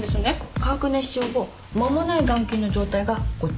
化学熱傷後間もない眼球の状態がこっち。